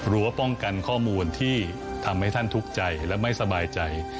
ว่าป้องกันข้อมูลที่ทำให้ท่านทุกข์ใจและไม่สบายใจ